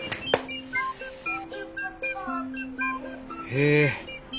へえ。